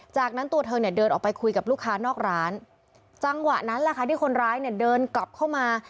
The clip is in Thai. จากนั้นตัวเธอเนี่ยเดินออกไปคุยกับลูกค้านอกร้านจังหวะนั้นแหละค่ะที่คนร้ายเนี่ยเดินกลับเข้ามา